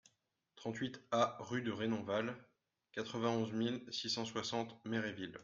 trente-huit A rue de Renonval, quatre-vingt-onze mille six cent soixante Méréville